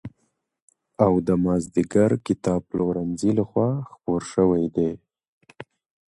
او د مازدېګر کتابپلورنځي له خوا خپور شوی دی.